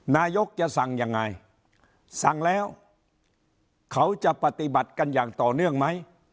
นายกจะสั่งยังไงสั่งแล้วเขาจะปฏิบัติกันอย่างต่อเนื่องไหม